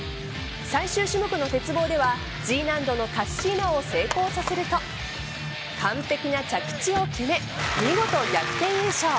最終種目の鉄棒ではＧ難度のカッシーナを成功させると完璧な着地を決め見事、逆転優勝。